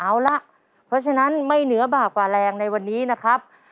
เอาล่ะเพราะฉะนั้นไม่เหนือบากกว่าแรงในวันนี้นะครับ